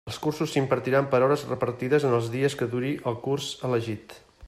Els cursos s'impartiran per hores repartides en els dies que dure el curs elegit.